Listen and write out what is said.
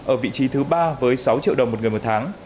ở vị trí thứ ba với sáu triệu đồng một người một tháng